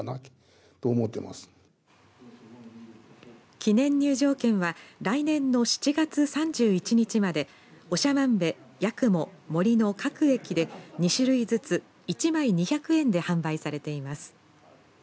記念入場券は来年の７月３１日まで長万部、八雲、森の各駅で２種類ずつ１枚２００円で販売されています。